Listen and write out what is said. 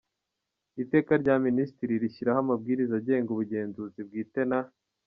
Iteka rya Minisitiri rishyiraho Amabwiriza agenga Ubugenzuzi bwite na.